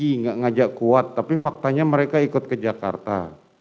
tidak ngajak kuat tapi faktanya mereka ikut ke jakarta